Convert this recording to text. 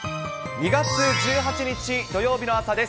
２月１８日土曜日の朝です。